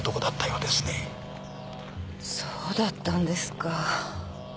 そうだったんですか。